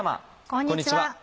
こんにちは。